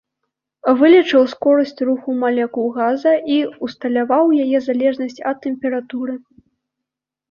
Вылічыў скорасць руху малекул газа і ўсталяваў яе залежнасць ад тэмпературы.